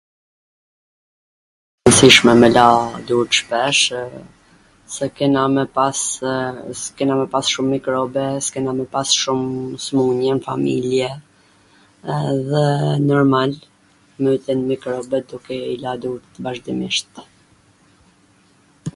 e rwndsishme me la durt shpesh se kena me pas, s kena me pas shum mikrobe, s kena me pas shum smun-je n familje, edhe normal myten mikrobet duke i la durt vazhdimisht